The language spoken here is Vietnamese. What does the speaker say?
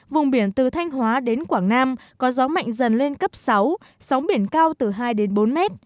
vùng biển từ thanh hóa đến quảng nam có gió mạnh dần lên cấp sáu sóng biển cao từ hai đến bốn mét